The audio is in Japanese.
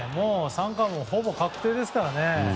三冠王ほぼ確定ですからね。